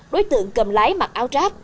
đối tượng cầm lái mặc áo ráp